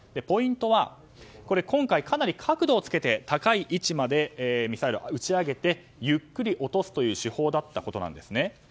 ポイントは今回かなり角度をつけて高い位置までミサイルを打ち上げてゆっくり落とすという手法だったことです。